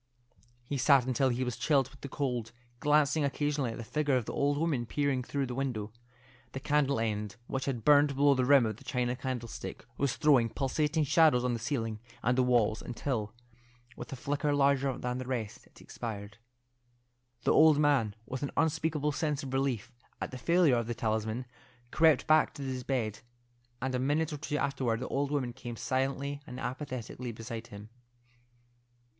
He sat until he was chilled with the cold, glancing occasionally at the figure of the old woman peering through the window. The candle end, which had burned below the rim of the china candlestick, was throwing pulsating shadows on the ceiling and walls, until, with a flicker larger than the rest, it expired. The old man, with an unspeakable sense of relief at the failure of the talisman, crept back to his bed, and a minute or two afterward the old woman came silently and apathetically beside him.